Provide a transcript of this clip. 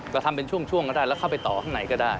ก็ทำเป็นช่วงก็ได้แล้วเข้าไปต่อข้างในก็ได้